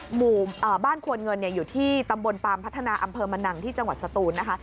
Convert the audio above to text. หมู่บ้านควรเงินอยู่ที่ตำบลปามพัฒนาอำเภอมะนังที่จังหวัดสตูนนะคะ